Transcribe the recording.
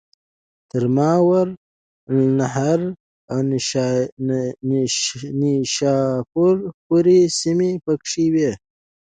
تر ماوراءالنهر او نیشاپور پوري سیمي پکښي وې.